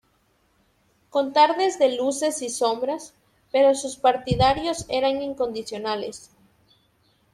Con tardes de luces y sombras, pero sus partidarios eran incondicionales.